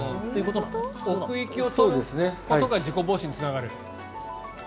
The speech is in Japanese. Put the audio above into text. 奥行きを取ることが事故防止につながる。